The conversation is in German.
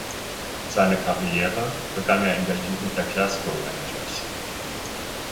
Seine Karriere begann er in der Jugend der Glasgow Rangers.